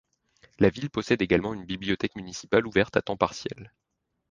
La ville possède également une bibliothèque municipale ouverte à temps partiel.